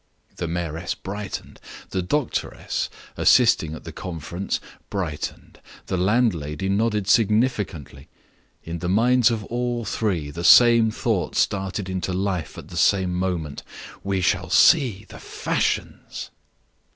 The mayoress brightened; the doctoress (assisting at the conference) brightened; the landlady nodded significantly. In the minds of all three the same thought started into life at the same moment "We shall see the Fashions!"